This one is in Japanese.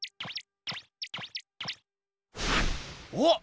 おっ！